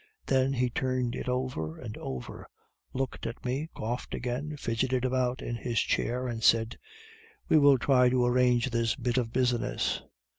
Then he turned it over and over, looked at me, coughed again, fidgeted about in his chair, and said, 'We will try to arrange this bit of business.